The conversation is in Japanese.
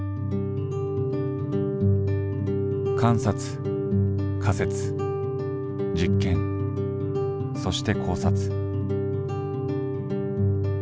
観察仮説実験そして考察。